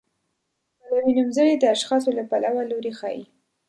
پلوي نومځري د اشخاصو له پلوه لوری ښيي.